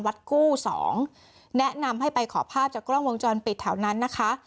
กู้สองแนะนำให้ไปขอภาพจากกล้องวงจรปิดแถวนั้นนะคะ